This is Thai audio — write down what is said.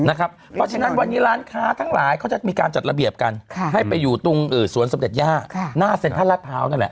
เพราะฉะนั้นวันนี้ร้านค้าทั้งหลายเขาจะมีการจัดระเบียบกันให้ไปอยู่ตรงสวนสมเด็จย่าหน้าเซ็นทรัลลาดพร้าวนั่นแหละ